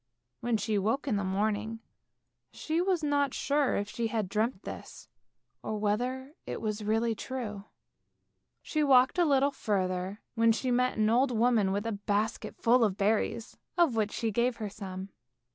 When she woke in the morning she was not sure if she had dreamt this, or whether it was really true. She walked a little further, when she met an old woman with a basket full of berries, of which she gave her some.